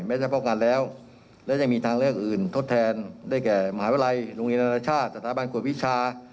ไม่ใช่ป้องกันแล้วและยังมีทางเลือกอื่นทดแทนได้แก่มหาวิทยาลัยโรงเรียนอนาชาติสถาบันกวดวิชา